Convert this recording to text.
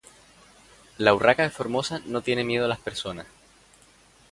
La urraca de Formosa no tiene miedo a las personas.